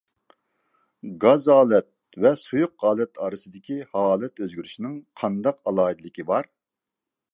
گاز ھالەت ۋە سۇيۇق ھالەت ئارىسىدىكى ھالەت ئۆزگىرىشىنىڭ قانداق ئالاھىدىلىكى بار؟